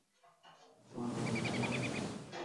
তোমার বাবা কি দেখেছে?